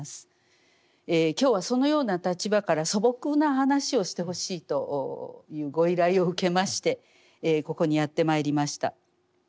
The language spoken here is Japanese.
今日はそのような立場から素朴な話をしてほしいというご依頼を受けましてここにやってまいりました。